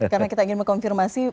karena kita ingin mengkonfirmasi